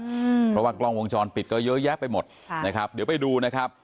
อืมเพราะว่ากล้องวงจรปิดก็เยอะแยะไปหมดใช่นะครับเดี๋ยวไปดูนะครับ